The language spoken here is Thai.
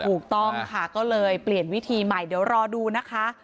ถูกต้องค่ะก็เลยเปลี่ยนวิธีใหม่เดี๋ยวรอดูนะคะ